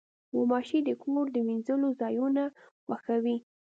غوماشې د کور د وینځلو ځایونه خوښوي.